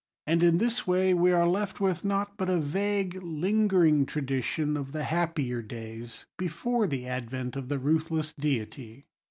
And in this way we are left with naught but a vague lingering tradition of the happier days before the advent of the ruthless deity.